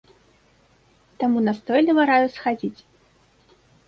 Таму настойліва раю схадзіць.